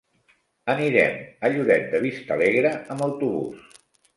Anirem a Lloret de Vistalegre amb autobús.